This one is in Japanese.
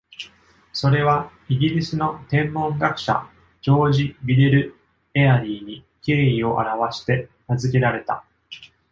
それは、イギリスの天文学者ジョージ・ビデル・エアリーに敬意を表して名付けられた。